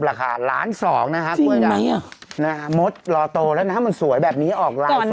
ราคาล้านสองนะครับคุยกันนะครับมดรอโตแล้วนะครับมันสวยแบบนี้ออกรายสุด